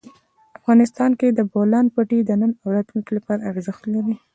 افغانستان کې د بولان پټي د نن او راتلونکي لپاره ارزښت لري.